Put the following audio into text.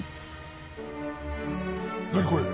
何これ？